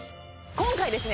今回ですね